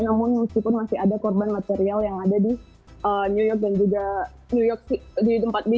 namun meskipun masih ada korban material yang ada di new york dan juga di new york sendiri ada korban material karena ada banjir